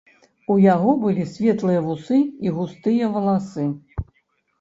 У яго былі светлыя вусы і густыя валасы.